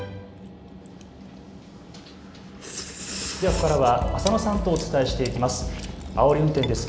ここからは浅野さんとお伝えしていきます。